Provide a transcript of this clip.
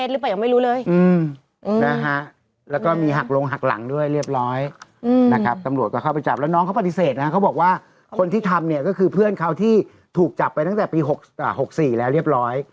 แล้วก็มีหักลงหักหลังด้วยเรียบร้อยนะครับตำรวจก็เข้าไปจับแล้วน้องเขาปฏิเสธนะเขาบอกว่าคนที่ทำเนี่ยก็คือเพื่อนเขาที่ถูกจับไปตั้งแต่ปี๖๔แล้วเรียบร้อย